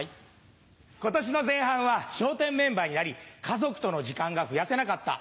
今年の前半は笑点メンバーになり家族との時間が増やせなかった。